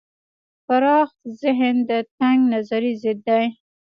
پراخ ذهن د تنگ نظرۍ ضد دی.